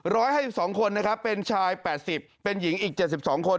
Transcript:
ร้อยห้าสิบสองคนนะครับเป็นชายแปดสิบเป็นหญิงอีกเจ็ดสิบสองคน